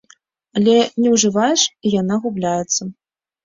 Але не ўжываеш, і яна губляецца.